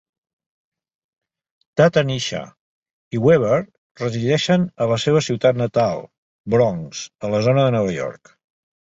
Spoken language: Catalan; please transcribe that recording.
Ta-Tanisha i Weaver resideixen a la seva ciutat natal, Bronx, a la zona de Nova York.